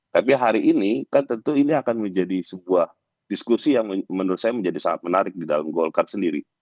tapi hari ini kan tentu ini akan menjadi sebuah diskusi yang menurut saya menjadi sangat menarik di dalam golkar sendiri